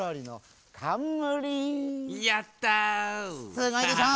すごいでしょ？